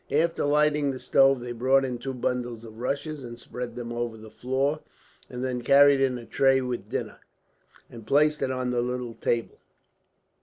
After lighting the stove, they brought in two bundles of rushes and spread them over the floor; and then carried in a tray with dinner, and placed it on the little table.